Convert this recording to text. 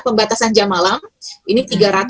pembatasan jam malam ini